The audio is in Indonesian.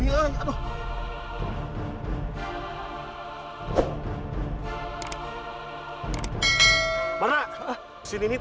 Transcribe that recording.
aku akan beristirahat